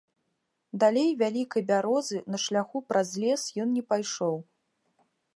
Далей вялікай бярозы на шляху праз лес ён не пайшоў.